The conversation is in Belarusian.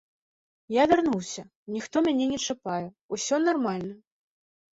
Я вярнуўся, ніхто мяне не чапае, усё нармальна.